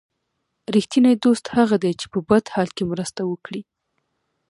رښتینی دوست هغه دی چې په بد حال کې مرسته وکړي.